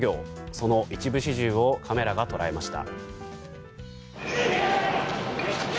その一部始終をカメラが捉えました。